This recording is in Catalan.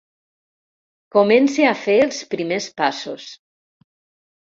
Comence a fer els primers passos.